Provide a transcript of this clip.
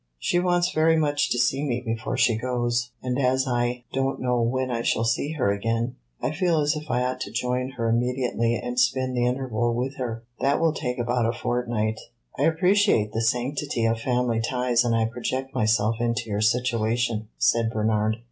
She wants very much to see me before she goes, and as I don't know when I shall see her again, I feel as if I ought to join her immediately and spend the interval with her. That will take about a fortnight." "I appreciate the sanctity of family ties and I project myself into your situation," said Bernard.